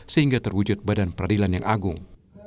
sehingga terwujud badan peradilan yang agung